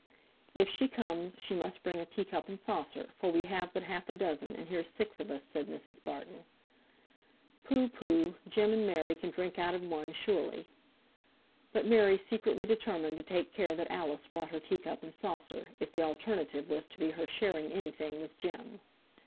"If she comes she must bring a tea cup and saucer, for we have but half a dozen, and here's six of us," said Mrs. Barton. "Pooh! pooh! Jem and Mary can drink out of one, surely." But Mary secretly determined to take care that Alice brought her tea cup and saucer, if the alternative was to be her sharing any thing with Jem.